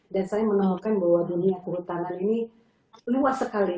dan saya menemukan bahwa dunia kehutanan ini luas sekali